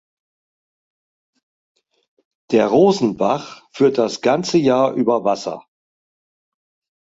Der Rosenbach führt das ganze Jahr über Wasser.